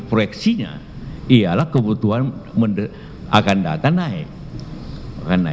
proyeksinya ialah kebutuhan akan data naik